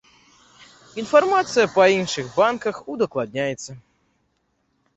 Інфармацыя па іншых банках удакладняецца.